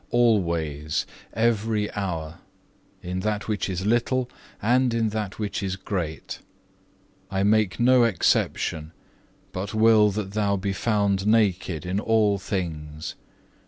"Always; every hour: in that which is little, and in that which is great. I make no exception, but will that thou be found naked in all things.